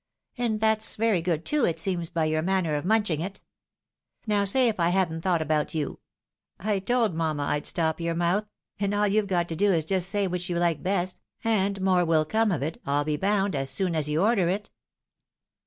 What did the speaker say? And that's very good, too, it seems, by your man ner of munching it. Now say if I haven't thought about you ! I told mamma I'd stop your mouth ; and aU you've got to do is just to say which you like best, and more will come of it, I'll be boiond, as soon as you order it."